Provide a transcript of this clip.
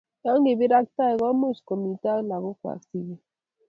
ye kibeer ak tai, kiimuch komito ak lagokwak sigik